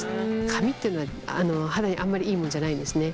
紙っていうのは肌にあんまりいいもんじゃないんですね。